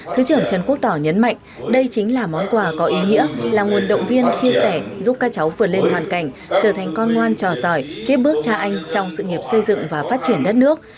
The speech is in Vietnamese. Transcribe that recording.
thứ trưởng trần quốc tỏ nhấn mạnh đây chính là món quà có ý nghĩa là nguồn động viên chia sẻ giúp các cháu vượt lên hoàn cảnh trở thành con ngoan trò giỏi tiếp bước cha anh trong sự nghiệp xây dựng và phát triển đất nước